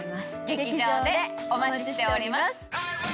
劇場でお待ちしております。